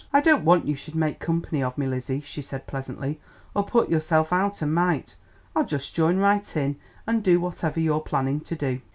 "I don't want you should make company of me, Lizzie," she said pleasantly, "or put yourself out a mite. I'll just join right in and do whatever you're planning to do."